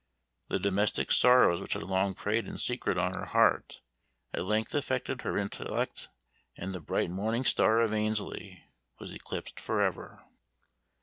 The domestic sorrows which had long preyed in secret on her heart, at length affected her intellect, and the "bright morning star of Annesley" was eclipsed for ever.